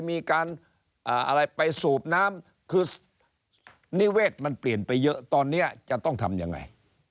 มีการอะไรไปสูบน้ำคือนิเวศมันเปลี่ยนไปเยอะตอนนี้จะต้องทำยังไง